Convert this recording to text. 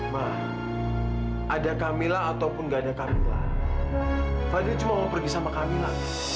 mah ada kamila ataupun gak ada kamila fadil cuma mau pergi sama kamila